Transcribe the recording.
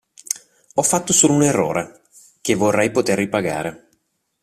Ho fatto solo un errore, che vorrei poter ripagare.